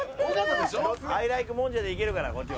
「アイライクもんじゃ」でいけるからこっちは。